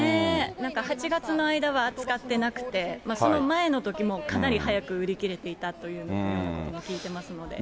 なんか８月の間は扱ってなくて、その前のときも、かなり早く売り切れていたというふうに聞いてますので。